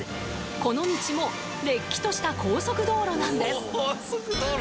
この道もれっきとした高速道路なんです